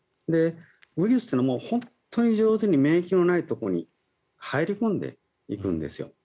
ウイルスというのは本当に上手に免疫のないところに入り込んでいくんですよ。